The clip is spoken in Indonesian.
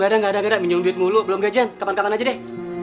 aduh ngera ngerak minyong duit mulu belom gajian kapan kapan aja deh